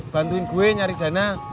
bantuin gue nyari dana